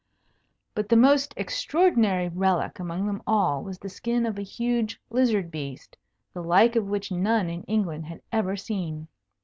But the most extraordinary relic among them all was the skin of a huge lizard beast, the like of which none in England had ever seen.